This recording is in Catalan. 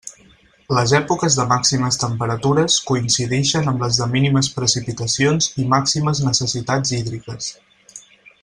Les èpoques de màximes temperatures coincidixen amb les de mínimes precipitacions i màximes necessitats hídriques.